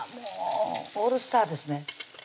もうオールスターですね